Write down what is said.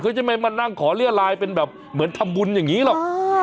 จะไม่มานั่งขอเรียลายเป็นแบบเหมือนทำบุญอย่างนี้หรอก